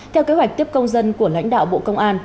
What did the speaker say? theo kế hoạch tiếp công dân của lãnh đạo bộ công an